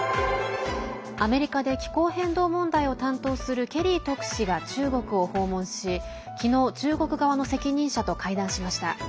アメリカで気候変動問題を担当するケリー特使が中国を訪問し昨日、中国側の責任者と会談しました。